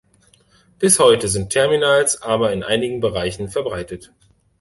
Bis heute sind Terminals aber in einigen Bereichen verbreitet.